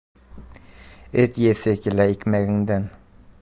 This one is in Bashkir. — Эт еҫе килә икмәгеңдән.